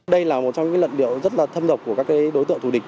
đây là một trong những luận điệu rất là thâm dọc của các đối tượng thù địch